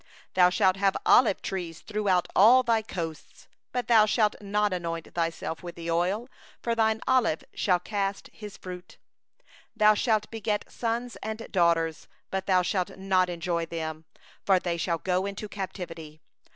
40Thou shalt have olive trees throughout all thy borders, but thou shalt not anoint thyself with the oil; for thine olives shall drop off. 41Thou shalt beget sons and daughters, but they shall not be thine; for they shall go into captivity.